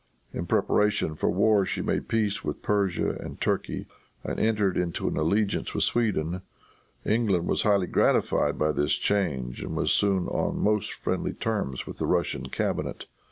In preparation for war she made peace with Persia and Turkey, and entered into an alliance with Sweden. England was highly gratified by this change, and was soon on most friendly terms with the Russian cabinet.